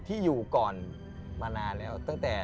ที่อยู่ก่อนมานานแล้ว